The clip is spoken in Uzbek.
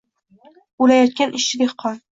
O‘layotgan ishchi-dehqon